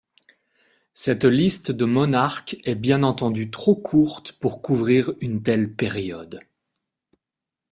Cette liste de monarques est bien entendu trop courte pour couvrir une telle période.